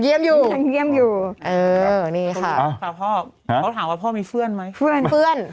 อยู่อยู่นี่ค่ะพ่อฮะเขาถามว่าพ่อมีเพื่อนไหมเพื่อน